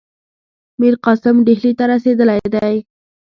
میرقاسم ډهلي ته رسېدلی دی.